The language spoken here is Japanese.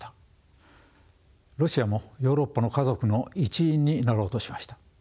ロシアもヨーロッパの家族の一員になろうとしました。